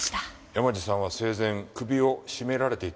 山路さんは生前首を絞められていたという事です。